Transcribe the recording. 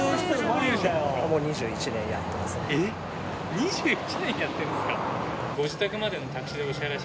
２１年やってるんですか？